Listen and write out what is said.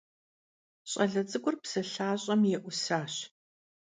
Ş'ale ts'ık'ur psı lhaş'em yê'usaş.